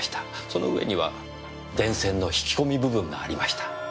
その上には電線の引き込み部分がありました。